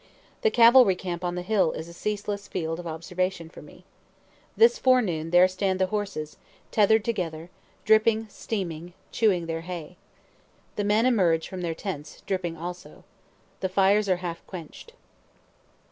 The cavalry camp on the hill is a ceaseless field of observation for me. This forenoon there stand the horses, tether'd together, dripping, steaming, chewing their hay. The men emerge from their tents, dripping also. The fires are half quench'd.